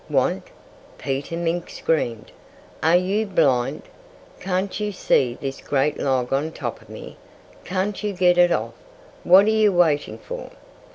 "Want?" Peter Mink screamed. "Are you blind? Can't you see this great log on top of me? Can't you get it off? What are you waiting for?"